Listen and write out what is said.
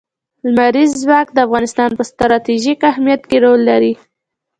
لمریز ځواک د افغانستان په ستراتیژیک اهمیت کې رول لري.